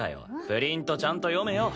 プリントちゃんと読めよ。